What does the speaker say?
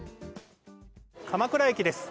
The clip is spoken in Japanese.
鎌倉駅です。